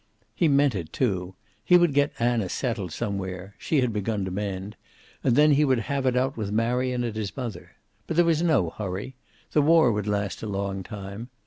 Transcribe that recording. He meant it, too. He would get Anna settled somewhere she had begun to mend and then he would have it out with Marion and his mother. But there was no hurry. The war would last a long time.